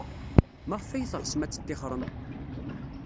Maɣef ay teɣsem ad tettixrem?